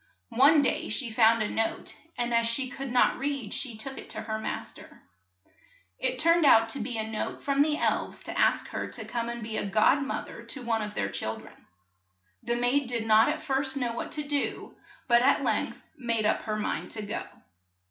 One day she found a note, and as she could not read she took it to her mas ter. It turned out to be a note from the elves to ask her to come and be god moth er to one of their chil dren. The maid did not at first know what to do, but at length made up her mind to go.